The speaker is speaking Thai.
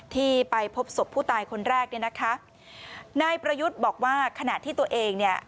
ที่ไปพบศพผู้ตายคนแรกนะคะนายประยุทธ์บอกว่าขนาดที่ตัวเอง